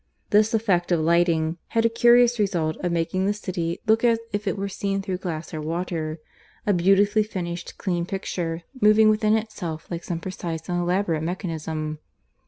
This effect of lighting had a curious result of making the city look as if it were seen through glass or water a beautifully finished, clean picture, moving within itself like some precise and elaborate mechanism.